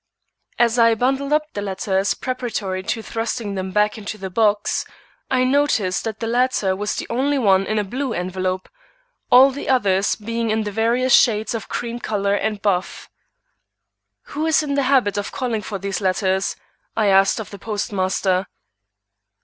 _" As I bundled up the letters preparatory to thrusting them back into the box, I noticed that the latter was the only one in a blue envelope, all the others being in the various shades of cream color and buff. "Who is in the habit of calling for these letters?" I asked of the postmaster.